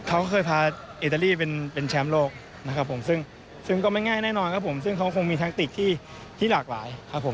เขาเคยพาอิตาลีเป็นแชมป์โลกนะครับผมซึ่งซึ่งก็ไม่ง่ายแน่นอนครับผมซึ่งเขาคงมีแท็กติกที่หลากหลายครับผม